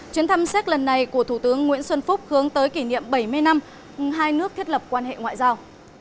chuyến thăm séc lần này của thủ tướng nguyễn xuân phúc hướng tới kỷ niệm bảy mươi năm hai nước thiết lập quan hệ ngoại giao